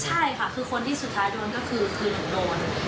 ใช่ค่ะคือคนที่สุดท้ายโดนก็คือหนูโดน